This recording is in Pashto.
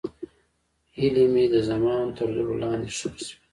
هیلې مې د زمان تر دوړو لاندې ښخې شوې.